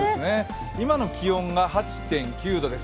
今の気温が８．９度です。